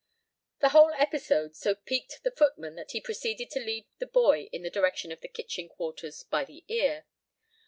The whole episode so piqued the footman that he proceeded to lead the boy in the direction of the kitchen quarters by the ear.